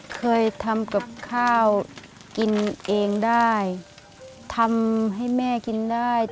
เคยทำกับข้าวกินเองได้ทำให้แม่กินได้